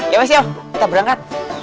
ya mas yow kita berangkat